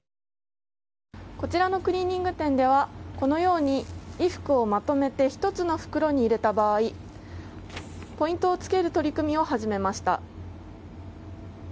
こちらのクリーニング店ではこのように衣服をまとめて一つの袋に入れた場合ポイントをつける取り組みを始めました。